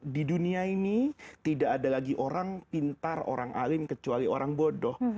di dunia ini tidak ada lagi orang pintar orang alim kecuali orang bodoh